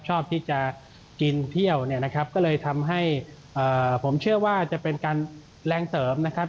ชอบที่จะกินเที่ยวเนี่ยนะครับก็เลยทำให้ผมเชื่อว่าจะเป็นการแรงเสริมนะครับ